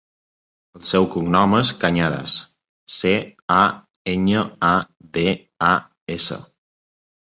El seu cognom és Cañadas: ce, a, enya, a, de, a, essa.